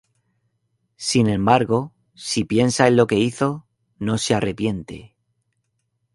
Sin embargo, si piensa en lo que hizo, no se arrepiente.